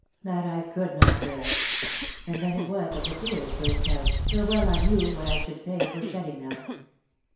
That I could not bear — and then it was that the tears burst out, though well I knew what I should pay for shedding them."